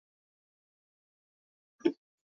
এটি গতিশীল সাম্যাবস্থার আরেকটি উদাহরণ।